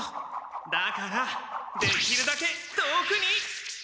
だからできるだけ遠くに！